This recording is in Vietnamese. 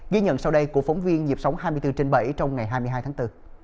ghi nhận sau đây của phóng viên nhịp sống hai mươi bốn trên bảy trong ngày hai mươi hai tháng bốn